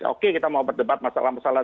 oke kita mau berdebat masalah masalah